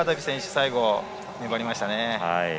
最後、粘りましたね。